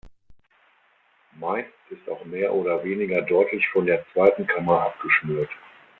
Meist ist auch mehr oder weniger deutlich von der zweiten Kammer abgeschnürt.